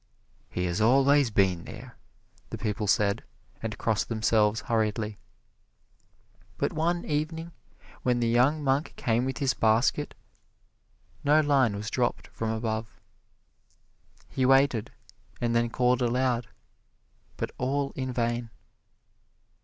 "He has always been there," the people said, and crossed themselves hurriedly. But one evening when the young monk came with his basket, no line was dropped from above. He waited and then called aloud, but all in vain.